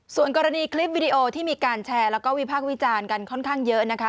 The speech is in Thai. ส่วนกรณีคลิปวิดีโอที่มีการแชร์แล้วก็วิพากษ์วิจารณ์กันค่อนข้างเยอะนะคะ